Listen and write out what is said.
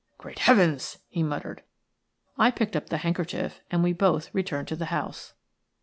"Great heavens!" he muttered. I picked up the handkerchief and we both returned to the house.